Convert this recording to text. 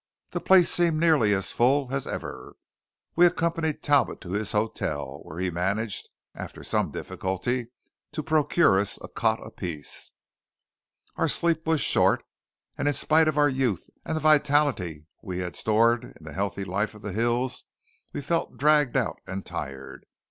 The place seemed nearly as full as ever. We accompanied Talbot to his hotel, where he managed, after some difficulty, to procure us a cot apiece. Our sleep was short; and in spite of our youth and the vitality we had stored in the healthy life of the hills we felt dragged out and tired.